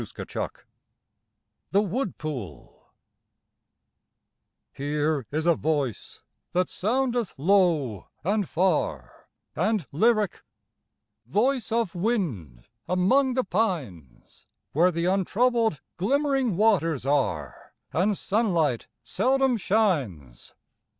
S3 THE WOOD POOL Here is a voice that soundeth low and far And lyric — voice of wind among the pines, Where the untroubled, glimmering waters are, And sunlight seldom shines.